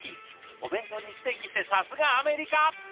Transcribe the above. お弁当にステーキってさすがアメリカ！